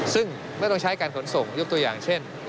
ซึ่งไม่ต้องใช้การขนส่งยกตัวอย่างเช่น